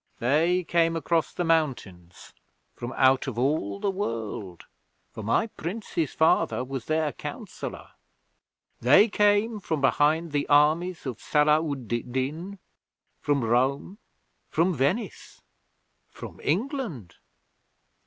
They came across the mountains, from out of all the world, for my Prince's father was their counsellor. They came from behind the armies of Sala ud Din: from Rome: from Venice: from England.